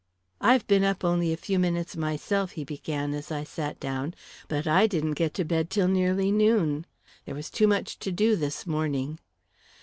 "I've been up only a few minutes myself," he began as I sat down. "But I didn't get to bed till nearly noon. There was too much to do, this morning."